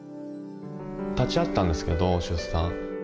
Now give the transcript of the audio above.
立ち会ったんですけど出産。